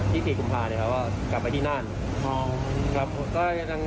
ที่สี่คุณพาเนี่ยครับกลับไปที่นั่น